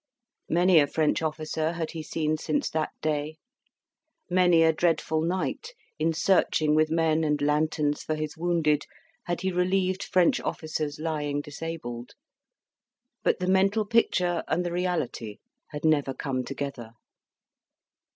Many a French officer had he seen since that day; many a dreadful night, in searching with men and lanterns for his wounded, had he relieved French officers lying disabled; but the mental picture and the reality had never come together.